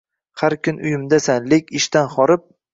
Har kun uyimdasan, lek ishdan horib